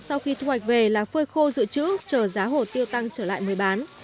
sau khi thu hoạch về là phơi khô dự trữ chờ giá hồ tiêu tăng trở lại mới bán